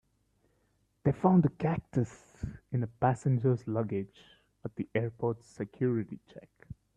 They found a cactus in a passenger's luggage at the airport's security check.